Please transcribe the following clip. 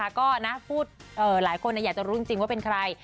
ก็นะพูดหลายคนอยากจะรู้จริงว่าเป็นใคร